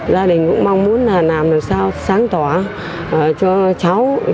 gia đình cũng mong muốn là làm làm sao sáng tỏa cho cháu